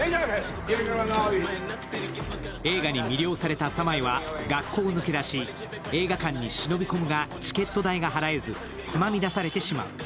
映画に魅了されたサマイは学校を抜け出し、映画館に忍び込むがチケット代が払えず、つまみ出されてしまう。